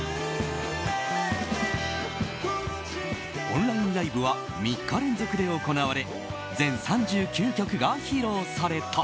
オンラインライブは３日連続で行われ全３９曲が披露された。